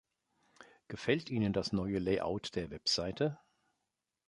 Gefällt Ihnen das neue Layout der Webseite?